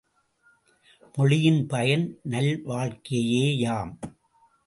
மொழியின் பயன் நல்வாழ்க்கையேயாம்.